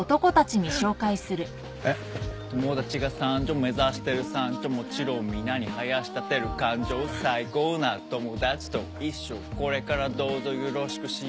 「友だちが参上目指してる山頂」「もちろんみなに囃し立てる感情」「最高な友達と一緒これからどうぞよろしくしよう」